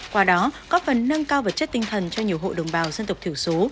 qua đó có phần nâng cao vật chất tinh thần cho nhiều hộ đồng bào dân tộc thiểu số